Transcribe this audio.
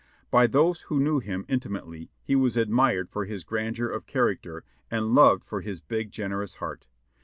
By those who knew him intimately he was admired for his grandeur of character and loved for his big. gen erous heart.